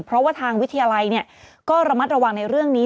เพราะว่าทางวิทยาลัยก็ระมัดระวังในเรื่องนี้